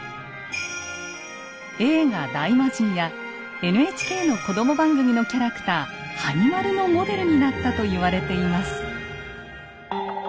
映画「大魔神」やＮＨＫの子供番組のキャラクターはに丸のモデルになったと言われています。